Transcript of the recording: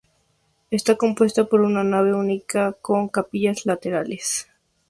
Está compuesta por una nave única con capillas laterales.